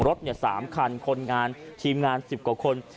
รถสามคันทีมงานสิบกว่าคน